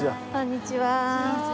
こんにちは。